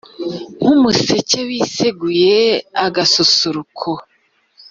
nk’umuseke wiseguye agasusuruko